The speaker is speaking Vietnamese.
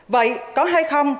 vậy có hay không